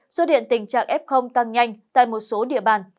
số điện tình trạng f tăng nhanh tại một số địa bàn